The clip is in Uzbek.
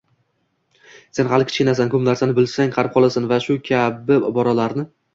“Sen hali kichkinasan”, “Ko‘p narsani bilsang, qarib qolasan” va shu kabi iboralarni